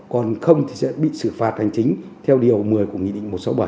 còn không thì sẽ bị xử phạt hành chính theo điều một mươi của nghị định một trăm sáu mươi bảy